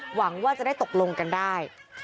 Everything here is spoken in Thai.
หวังว่าจะได้ตกลงกันได้